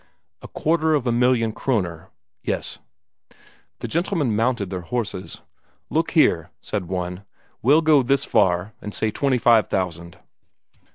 "A quarter of a million Kroner?" "Yes." The gentlemen mounted their horses." Look here," said one, "we'll go this far, and say twenty five thousand."